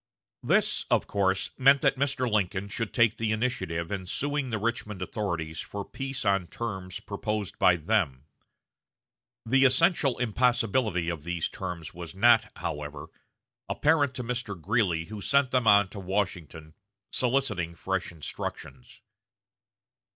This, of course, meant that Mr. Lincoln should take the initiative in suing the Richmond authorities for peace on terms proposed by them. The essential impossibility of these terms was not, however, apparent to Mr. Greeley, who sent them on to Washington, soliciting fresh instructions.